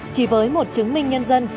chỉ với một chứng minh nhân dân